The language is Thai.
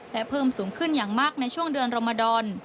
และเพิ่มสูงขึ้นอย่างมากในช่วงเดือนรมดอน